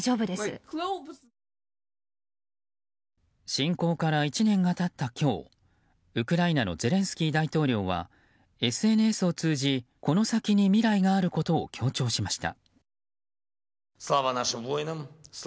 侵攻から１年が経った今日ウクライナのゼレンスキー大統領はＳＮＳを通じ、この先に未来があることを強調しました。